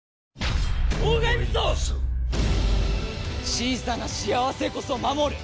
小さな幸せこそ守る。